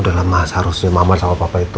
udah lama seharusnya mama sama papa itu